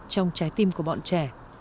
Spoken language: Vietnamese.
trong trái tim của bọn trẻ